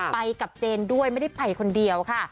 ไปกับเจนด้วยไม่ได้ไปคนเดียวค่ะ